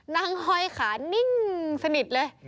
นางหอยขานิ่งสนิทเลย